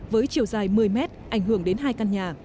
với chiều dài một mươi mét ảnh hưởng đến hai căn nhà